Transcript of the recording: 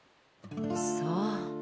そう。